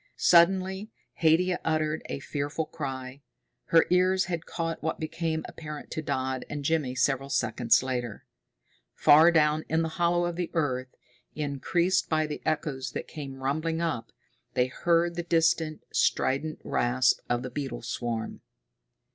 Suddenly Haidia uttered a fearful cry. Her ears had caught what became apparent to Dodd and Jimmy several seconds later. Far down in the hollow of the earth, increased by the echoes that came rumbling up, they heard the distant, strident rasp of the beetle swarm.